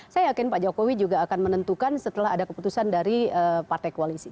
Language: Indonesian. saya yakin pak jokowi juga akan menentukan setelah ada keputusan dari partai koalisi